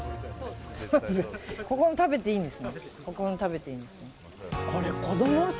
ここの食べていいんですね。